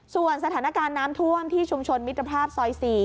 ส่วนสถานการณ์น้ำท่วมที่ชุมชนมิตรภาพซอย๔